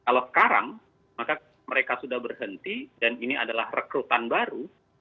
kalau sekarang maka mereka sudah berhenti dan ini adalah rekrutan baru